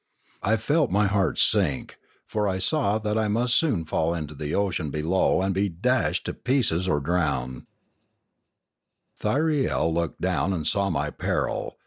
I felt my heart sink ; for I saw that I must soon fall into the ocean below and be dashed to pieces or drowned. Thyriel looked down and saw my peril.